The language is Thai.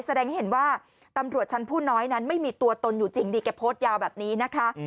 แสดงให้เห็นว่าตำรวจชั้นผู้น้อยนั้นไม่มีตัวตนอยู่จริงนี่แกโพสต์ยาวแบบนี้นะคะ